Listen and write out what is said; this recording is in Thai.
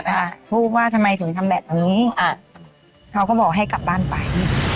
อ่าพูดว่าทำไมถึงทำแบบนี้อ่าเขาก็บอกให้กลับบ้านไป